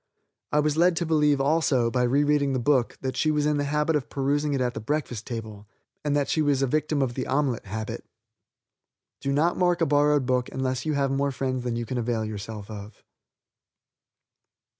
I was led to believe, also, by rereading the book, that she was in the habit of perusing it at the breakfast table, and that she was a victim of the omelet habit. Do not mark a borrowed book unless you have more friends than you can avail yourself of.